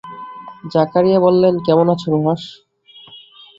জাকারিয়া বললেন, কেমন আছ নুহাশ?